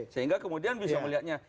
sehingga kemudian bisa melihatnya